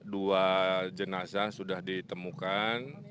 dua jenazah sudah ditemukan